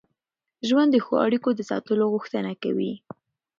ژوند د ښو اړیکو د ساتلو غوښتنه کوي.